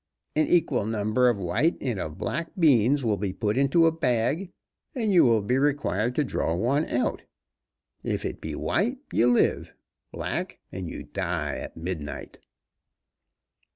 "An equal number of white and of black beans will be put into a bag, and you will be required to draw one out. If it be white, you live; black, and you die at midnight."